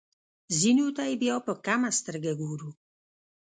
ځینو ته یې بیا په کمه سترګه ګورو.